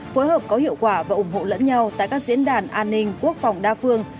phối hợp có hiệu quả và ủng hộ lẫn nhau tại các diễn đàn an ninh quốc phòng đa phương